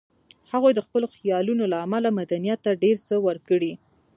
هغوی د خپلو خیالونو له امله مدنیت ته ډېر څه ورکړي